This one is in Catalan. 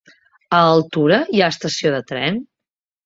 A Altura hi ha estació de tren?